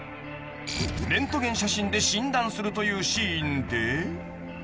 ［レントゲン写真で診断するというシーンで］